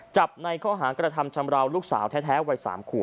จับในข้อหางกรรธรรมชำราวลูกสาวแท้วัย๓ครัว